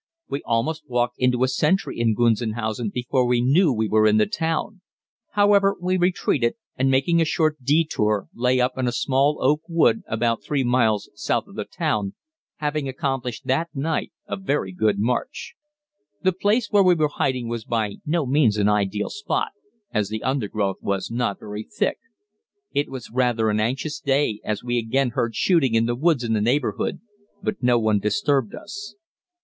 We almost walked into a sentry in Gunzenhausen before we knew we were in the town. However, we retreated, and making a short detour lay up in a small oak wood about 3 miles south of the town, having accomplished that night a very good march. The place where we were hiding was by no means an ideal spot, as the undergrowth was not very thick. It was rather an anxious day, as we again heard shooting in the woods in the neighborhood, but no one disturbed us.